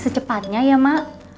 tapi secepatnya ya emak